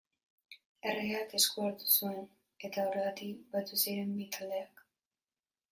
Erregeak esku hartu zuen, eta horregatik batu ziren bi taldeak.